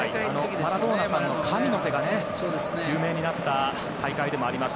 マラドーナさんの神の手が有名になった大会でもあります。